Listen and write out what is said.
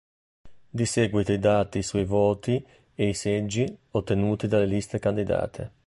Di seguito i dati sui voti e i seggi ottenuti dalle liste candidate.